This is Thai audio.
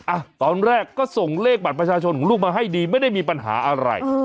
อ่ะตอนแรกก็ส่งเลขบัตรประชาชนของลูกมาให้ดีไม่ได้มีปัญหาอะไร